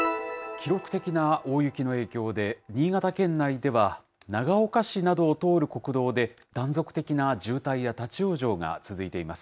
記録的な大雪の影響で、新潟県内では、長岡市などを通る国道で、断続的な渋滞や立往生が続いています。